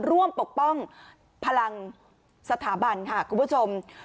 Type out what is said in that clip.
ปกป้องพลังสถาบันค่ะคุณผู้ชม